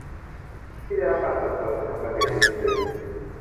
ที่ได้รับการส่งเสริมให้ทำเกษตรอินทรีย์